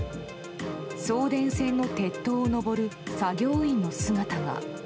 送電線の鉄塔を登る作業員の姿が。